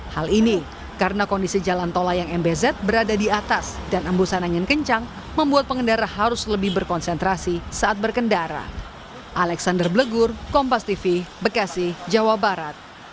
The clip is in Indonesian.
hal ini karena kondisi jalan tol layang mbz berada di atas dan embusan angin kencang membuat pengendara harus lebih berkonsentrasi saat berkendara